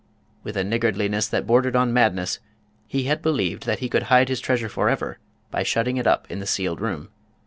With a niggardliness that bordered on madness, he had believed that he could hide his treasure forever by shutting <it up in the sealed room.